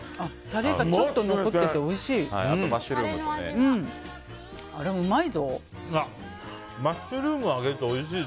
タレが、ちょっと残ってておいしい。